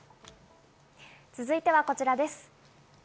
続いてはこちらです。